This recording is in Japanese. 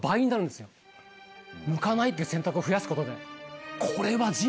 むかないっていう選択を増やすことで。